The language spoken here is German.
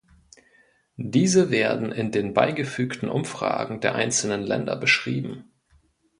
Diese werden in den beigefügten Umfragen der einzelnen Länder beschrieben.